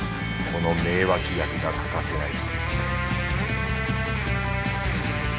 この名脇役が欠かせない